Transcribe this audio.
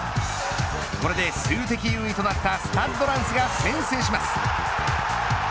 これで数的優位となったスタッド・ランスが先制します。